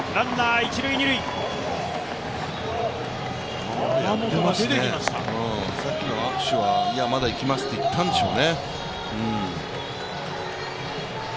さっきの握手は、いや、まだ行きますって言ったんでしょうね。